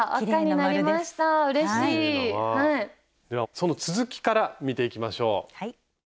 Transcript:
その続きから見ていきましょう。